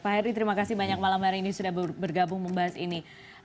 pak heri terima kasih banyak malam hari ini sudah bergabung membahas ini